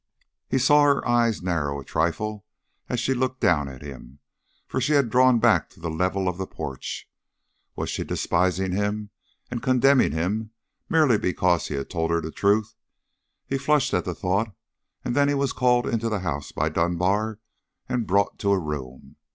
He saw her eyes narrow a trifle as she looked down at him, for she had drawn back to the level of the porch. Was she despising him and condemning him merely because he had told her the truth? He flushed at the thought, and then he was called into the house by Dunbar and brought to a room.